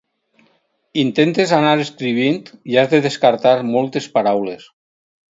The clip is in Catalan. Intentes anar escrivint i has de descartar moltes paraules.